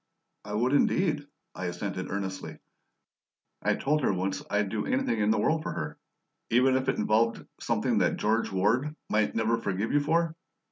"I would indeed," I assented earnestly. "I told her once I'd do anything in the world for her." "Even if it involved something that George Ward might never forgive you for?"